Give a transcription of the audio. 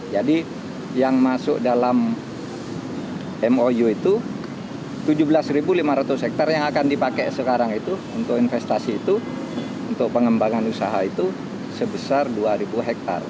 jadi yang masuk dalam mou itu tujuh belas lima ratus hektare yang akan dipakai sekarang itu untuk investasi itu untuk pengembangan usaha itu sebesar dua ribu hektare